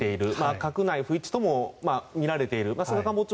閣内不一致とも見られている。